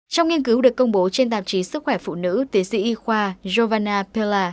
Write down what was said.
trong nghiên cứu được công bố trên tạp chí sức khỏe phụ nữ tiến sĩ y khoa jovana pella